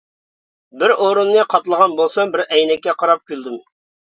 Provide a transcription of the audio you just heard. بىر ئورۇننى قاتلىغان بولسام بىر ئەينەككە قاراپ كۈلدۈم.